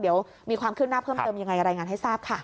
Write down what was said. เดี๋ยวมีความขึ้นหน้าเพิ่มเติมยังไงรายงานให้ทราบค่ะ